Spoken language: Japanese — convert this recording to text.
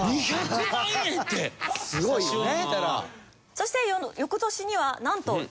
そして翌年にはなんと人生初の。